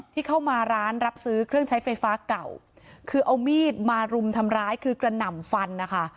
ที่เข้ามาร้านรับซื้อเครื่องใช้ไฟฟ้าเก่าคือเอามีดมารุมทำร้ายคือกระหน่ำฟันนะคะ